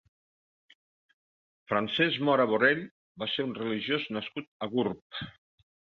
Francesc Mora Borrell va ser un religiós nascut a Gurb.